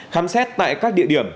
khám xét tại các địa điểm